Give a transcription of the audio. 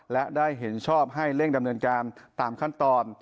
และได้เห็นชอบให้เร่งดำเนินการตามขั้นตอน